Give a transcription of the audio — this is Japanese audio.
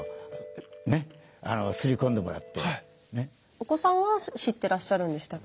お子さんは知ってらっしゃるんでしたっけ？